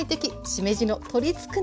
しめじの鶏つくね